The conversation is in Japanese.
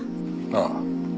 ああ。